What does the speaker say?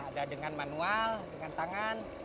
ada dengan manual dengan tangan